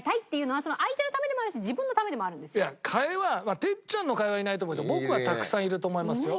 替えは哲ちゃんの替えはいないと思うけど僕はたくさんいると思いますよ。